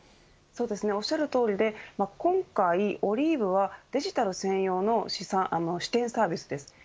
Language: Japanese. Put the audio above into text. おっしゃるとおりで、今回Ｏｌｉｖｅはデジタル専用の資産支店サービスです。